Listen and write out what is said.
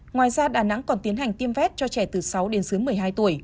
ngoài ra đà nẵng còn tiến hành tiêm vét cho trẻ từ sáu đến dưới một mươi hai tuổi